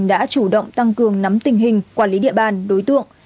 đã chủ động tăng cường nắm tình hình quản lý địa bàn đối tượng